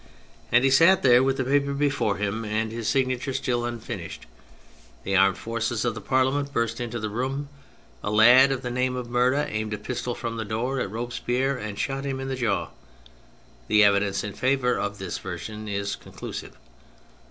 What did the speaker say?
As he sat there with the paper before him and his 142 THE FRENCH REVOLUTION signature still unfinished, the armed force of the Parliament burst into the room, a lad of the name of Merda aimed a pistol from the door at Robespierre, and shot him in the jaw, (The evidence in favour of this version is conclusive.)